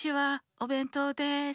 おべんとうです。